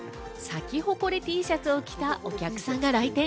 サキホコレＴシャツを着たお客さんが来店。